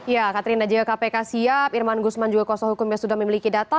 ya katrina jika kpk siap irman gusman juga kuasa hukumnya sudah memiliki data